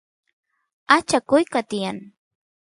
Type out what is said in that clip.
acha kuyqa tiyan